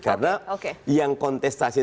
karena yang kontestasi